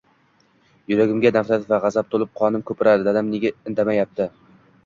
Yuragimga nafrat va gʻazab toʻlib, qonim koʻpirar, “Dadam nega indamadi?!